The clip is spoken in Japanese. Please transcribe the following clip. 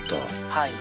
はい。